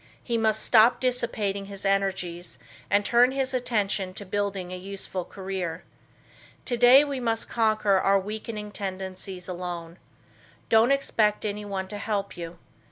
He must stop dissipating his energies and turn his attention to building a useful career. Today we must conquer our weakening tendencies alone. Don't expect anyone to help you.